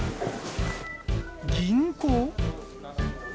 銀行？